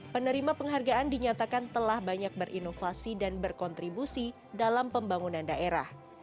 penerima penghargaan dinyatakan telah banyak berinovasi dan berkontribusi dalam pembangunan daerah